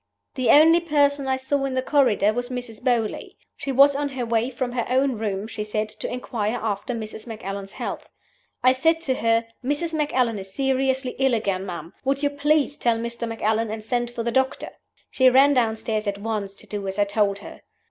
"The only person I saw in the corridor was Mrs. Beauly. She was on her way from her own room, she said, to inquire after Mrs. Macallan's health. I said to her, 'Mrs. Macallan is seriously ill again, ma'am. Would you please tell Mr. Macallan, and send for the doctor?' She ran downstairs at once to do as I told her.